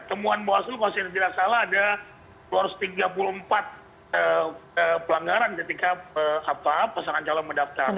temuan bawaslu kalau saya tidak salah ada dua ratus tiga puluh empat pelanggaran ketika pasangan calon mendaftar